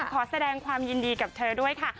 ขอแสดงความยินดีกับเธอด้วยค่ะ